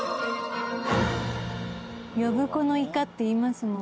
呼子のイカって言いますもん。